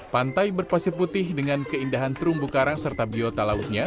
pantai berpasir putih dengan keindahan terumbu karang serta biota lautnya